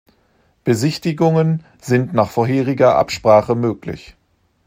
Besichtigungen sind nach vorheriger Absprache möglich.